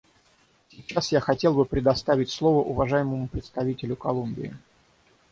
Сейчас я хотел бы предоставить слово уважаемому представителю Колумбии.